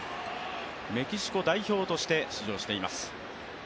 メキシコ代表として出場しています。